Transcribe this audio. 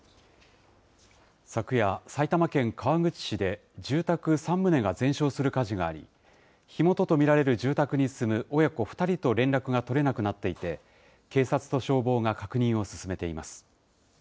昨夜、埼玉県川口市で住宅３棟が全焼する火事があり、火元と見られる住宅に住む親子２人と連絡が取れなくなっていて、警察と消防が確認を進めています。